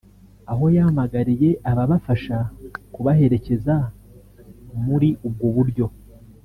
aho yahamagariye ababafasha kubaherekeza muri ubwo buryo